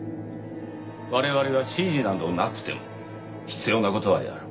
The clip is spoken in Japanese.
我々は指示などなくても必要な事はやる。